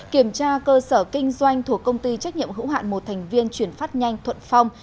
kiểm tra cơ sở kinh doanh thuộc công ty trách nhiệm hữu hạn một thành viên chuyển phát nhanh thuận phong